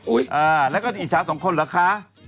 อุ๊ยอ่าแล้วก็อิจฉาสองคนเหรอคะ